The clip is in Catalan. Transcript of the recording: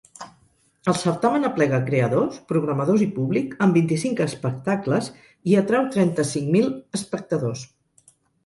El certamen aplega creadors, programadors i públic en vint-i-cinc espectacles i atrau trenta-cinc mil espectadors.